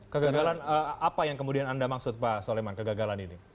kegagalan apa yang kemudian anda maksud pak soleman kegagalan ini